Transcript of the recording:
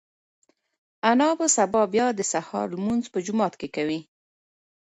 انا به سبا بیا د سهار لمونځ په جومات کې کوي.